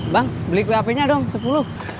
bang beli voice cafe nya dong sepuluh